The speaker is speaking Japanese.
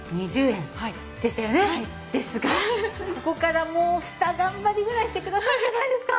ですがここからもうふた頑張りぐらいしてくださるじゃないですか。